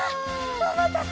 おまたせ。